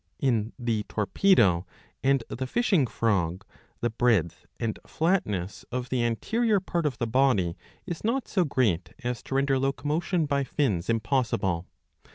^'^ In the Torpedo and the Fishing frog the breadth and flatness of the anterior part of the body is not so great as to render locomotion by fins impossible.